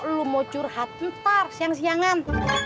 kalau lo mau curhat ntar siang siangan